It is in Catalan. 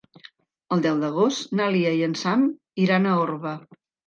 El deu d'agost na Lia i en Sam iran a Orba.